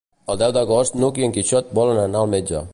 El deu d'agost n'Hug i en Quixot volen anar al metge.